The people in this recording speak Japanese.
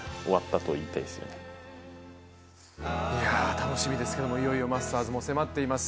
楽しみですけれどもいよいよマスターズも迫っています。